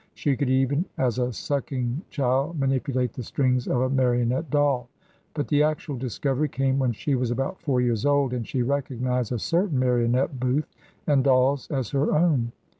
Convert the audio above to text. She could even as a sucking child manipulate the strings of a marionette doll. But the actual discovery came when she was about four years old, and she recognised a certain marionette booth and dolls as her own.